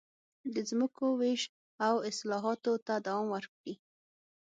د ځمکو وېش او اصلاحاتو ته دوام ورکړي.